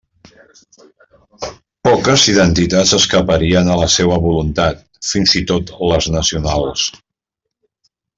Poques identitats escaparien a la seua voluntat, fins i tot les nacionals.